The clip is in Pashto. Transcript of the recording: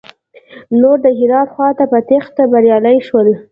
نور د هرات خواته په تېښته بريالي شول.